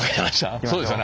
そうですよね。